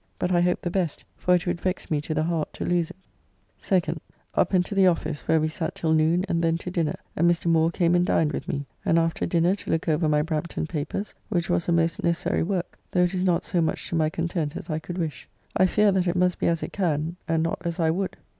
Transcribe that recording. But I hope the best, for it would vex me to the heart to lose it. 2nd. Up and to the office, where we sat till noon, and then to dinner, and Mr. Moore came and dined with me, and after dinner to look over my Brampton papers, which was a most necessary work, though it is not so much to my content as I could wish. I fear that it must be as it can, and not as I would.